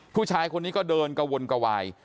ผู้ชายคนนี้ก็เดินกระวนกระวาย